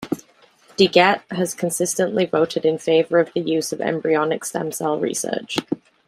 DeGette has consistently voted in favor of the use of embryonic stem cell research.